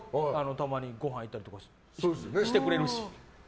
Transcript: たまにごはん行ったりしてくれるし。